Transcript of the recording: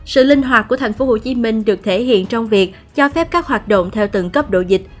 sự linh hoạt của tp hcm được thể hiện trong việc cho phép các hoạt động theo từng cấp độ dịch